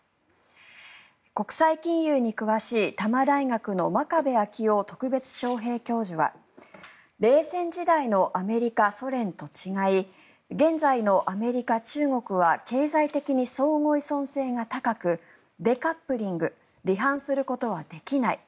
国際金融に詳しい多摩大学の真壁昭夫特別招へい教授は冷戦時代のアメリカ、ソ連と違い現在のアメリカ、中国は経済的に相互依存性が高くデカップリング離反することはできない。